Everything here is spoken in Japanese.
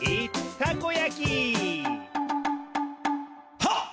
はっ！